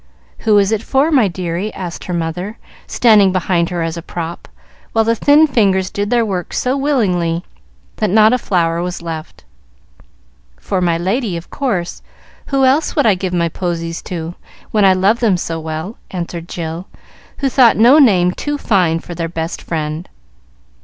"Who is it for, my dearie?" asked her mother, standing behind her as a prop, while the thin fingers did their work so willingly that not a flower was left. "For My Lady, of course. Who else would I give my posies to, when I love them so well?" answered Jill, who thought no name too fine for their best friend.